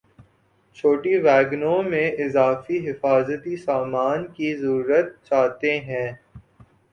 چھوٹی ویگنوں میں اضافی حفاظتی سامان کی ضرورت چاہتے ہیں